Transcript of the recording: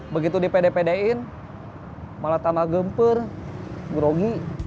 begitu dipede pedein malah tambah gempur grogi